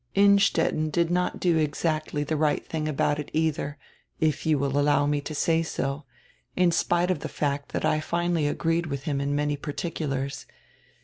Innstetten did not do exacdy the right thing about it eidier, if you will allow me to say so, in spite of the fact that I finally agreed with him in many particulars.